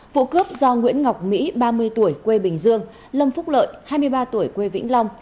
vụ cướp do nguyễn ngọc mỹ ba mươi tuổi quê bình dương lâm phúc lợi hai mươi ba tuổi quê vĩnh long